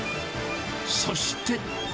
そして。